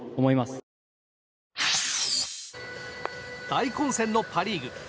大混戦のパ・リーグ。